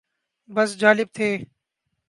بس جالب تھے۔